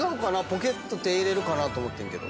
ポケット手入れるかなと思ってんけど。